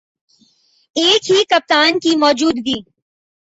ایک ہی کپتان کی موجودگی